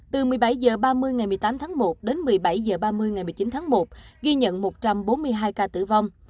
từ một mươi bảy h ba mươi ngày một mươi tám tháng một đến một mươi bảy h ba mươi ngày một mươi chín tháng một ghi nhận một trăm bốn mươi hai ca tử vong